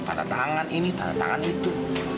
tanda tangan ini tanda tangan itu